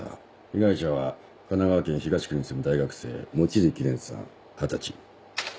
被害者は神奈川県東区に住む大学生望月蓮さん二十歳。